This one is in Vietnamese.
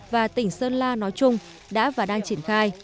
và tỉnh sơn la nói chung đã và đang triển khai